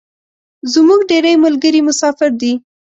زمونږ ډیری ملګري مسافر دی